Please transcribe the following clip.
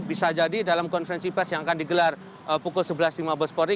bisa jadi dalam konferensi pes yang akan digelar pukul sebelas di mabespori